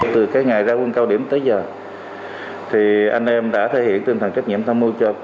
từ cái ngày ra quân cao điểm tới giờ thì anh em đã thể hiện tinh thần trách nhiệm tham mưu cho